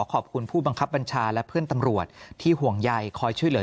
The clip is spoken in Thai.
ขอบคุณผู้บังคับบัญชาและเพื่อนตำรวจที่ห่วงใยคอยช่วยเหลือ